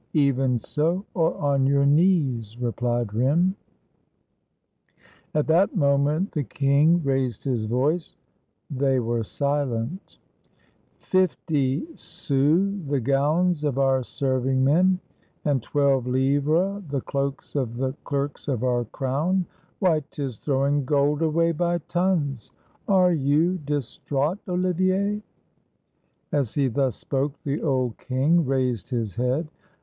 "Even so, or on your knees," replied Rym. At that moment the king raised his voice. They were silent. " Fifty sous the gowns of our serving men, and twelve Hvres the cloaks of the clerks of our crown! Why, 't is throwing gold away by tons! Are you distraught, Oli vier?" As he thus spoke, the old king raised his head.